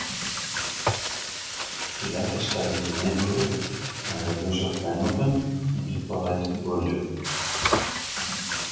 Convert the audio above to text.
He later studied in Antwerp under Joseph Van Luppen and Hippolyte Boulenger.